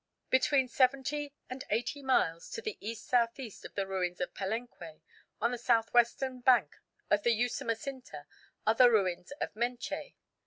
Between seventy and eighty miles to the E.S.E. of the ruins of Palenque, on the south western bank of the Usumacinta, are the ruins of Menché.